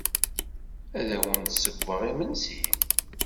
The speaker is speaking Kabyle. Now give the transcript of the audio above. Ad awen-d-ssewweɣ imensi?